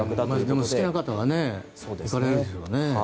でも好きな方は行かれるでしょうね。